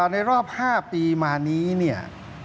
ในรอบ๕ปีมานี้เนี่ย